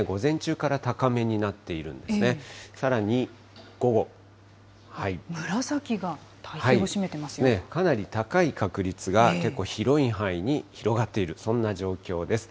かなり高い確率が、結構広い範囲に広がっている、そんな状況です。